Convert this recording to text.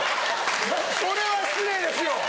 それは失礼ですよ。